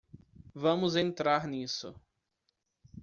Vamos entrar nisso.